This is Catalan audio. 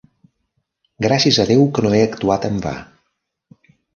Gràcies a Déu que no he actuat en va!